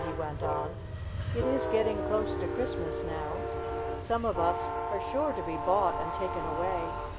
he went on. "It is getting close to Christmas now. Some of us are sure to be bought and taken away.